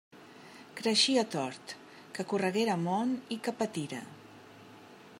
Creixia tort: que correguera món i que patira!